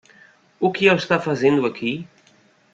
O que ele está fazendo aqui?